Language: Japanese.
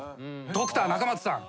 ドクター・中松さん。